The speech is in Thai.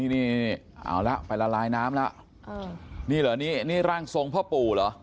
นี่เอาละไปละลายน้ำแล้วนี่เหรอนี่นี่ร่างทรงพ่อปู่เหรอ